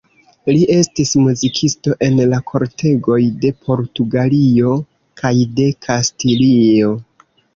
Li estis muzikisto en la kortegoj de Portugalio kaj de Kastilio.